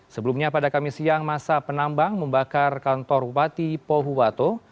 sebelumnya pada kamis siang masa penambang membakar kantor bupati pohuwato